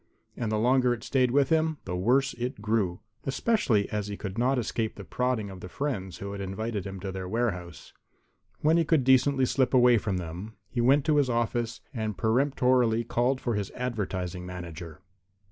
And the longer it stayed with him, the worse it grew, especially as he could not escape the prodding of the friends who had invited him to their warehouse. When he could decently slip away from them he went to his office and peremptorily called for his advertising manager.